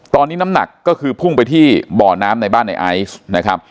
ตอนนี้น้ำหนักก็คือพุ่งไปที่บ่อน้ำในบ้านในไอซ์นะครับ